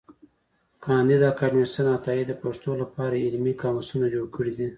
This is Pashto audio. کانديد اکاډميسن عطايي د پښتو له پاره علمي قاموسونه جوړ کړي دي.